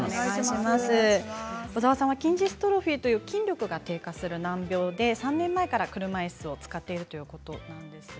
小澤さんは筋ジストロフィーという筋力が低下する難病で３年前から車いすを使っているということなんです。